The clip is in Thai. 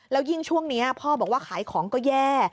แล้วยิ่งช่วงนี้พ่อบอกว่าขายของก็แย่